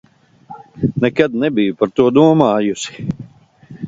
Nekad nebiju par to domājusi!